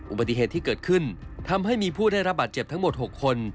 อุบัติเหตุที่เกิดขึ้นทำให้มีผู้ได้รับบาดเจ็บทั้งหมด๖คน